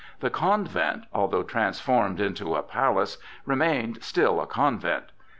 The convent, although transformed into a palace, remained still a convent.